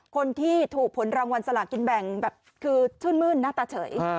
คนที่ถูกผลรางวัลสลากินแบ่งแบบคือชื่นมื้นหน้าตาเฉย